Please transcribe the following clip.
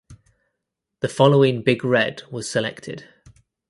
The following Big Red was selected.